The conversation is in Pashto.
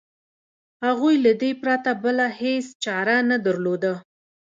هغوی له دې پرته بله هېڅ چاره نه درلوده.